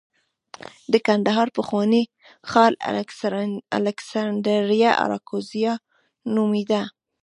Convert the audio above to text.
د کندهار پخوانی ښار الکسندریه اراکوزیا نومېده